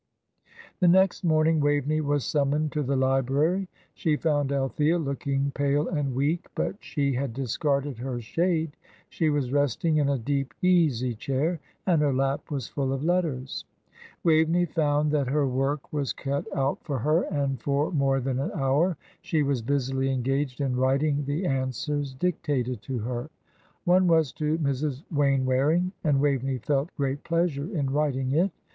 The next morning Waveney was summoned to the library. She found Althea looking pale and weak, but she had discarded her shade. She was resting in a deep, easy chair, and her lap was full of letters. Waveney found that her work was cut out for her, and for more than an hour she was busily engaged in writing the answers dictated to her. One was to Mrs. Wainwaring, and Waveney felt great pleasure in writing it.